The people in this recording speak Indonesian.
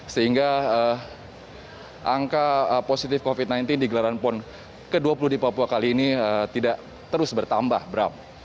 sehingga angka positif covid sembilan belas di gelaran pon ke dua puluh di papua kali ini tidak terus bertambah bram